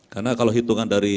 karena kalau hitungan dari